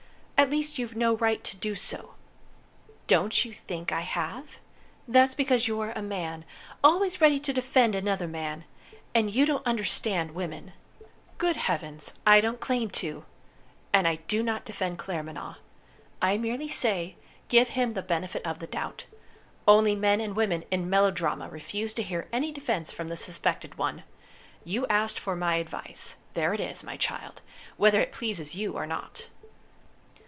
At least you've no right to do so." "Don't you think I have? That's because you're a man, always ready to defend another man. And you don't understand women." "Good heavens, I don't claim to! And I do not defend Claremanagh. I merely say, give him the benefit of the doubt. Only men and women in melodrama refuse to hear any defense from the suspected one. You asked for my advice. There it is, my child, whether it pleases you or not."